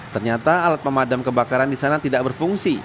ternyata alat pemadam kebakaran di sana tidak berfungsi